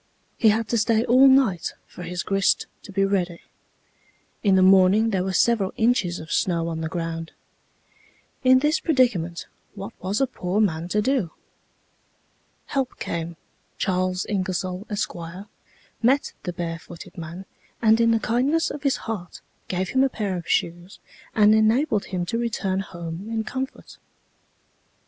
He had to stay all night for his grist to be ready. In the morning there were several inches of snow on the ground. In this predicament what was a poor man to do? Help came; Charles Ingersoll, Esq., met the barefooted man, and in the kindness of his heart, gave him a pair of shoes and enabled him to return home in comfort."